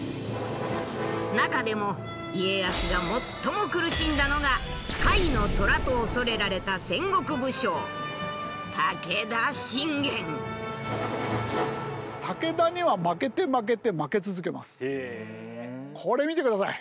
中でも家康が最も苦しんだのが「甲斐の虎」と恐れられた戦国武将これ見て下さい。